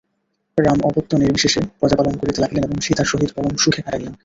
রাম অপত্যনির্বিশেষে প্রজাপালন করিতে লাগিলেন এবং সীতার সহিত পরম সুখে কাটাইলেন।